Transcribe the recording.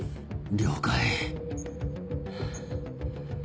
了解。